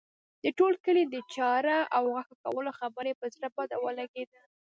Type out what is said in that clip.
د ټول کلي د چاړه او غوښه کولو خبره یې پر زړه بد ولګېده.